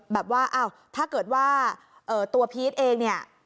แบบว่าถ้าเกิดว่าตัวพีชเอง